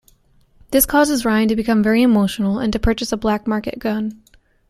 This causes Ryan to become very emotional, and to purchase a black market gun.